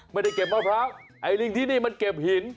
ไม่ได้เก็บมะพร้าวไอ้ลิงที่นี่มันเก็บหิน